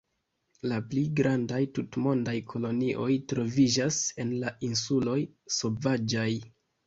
La pli grandaj tutmondaj kolonioj troviĝas en la insuloj Sovaĝaj.